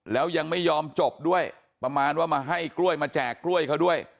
แล้วยังไม่ยอมจบด้วยประมาณว่ามาให้กล้วยมาแจกกล้วยเขาด้วย